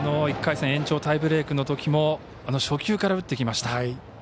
１回戦延長タイブレークのときにも初球から打ってきました。